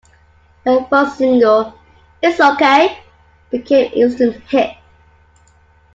Her first single, "It's ok", became an instant hit.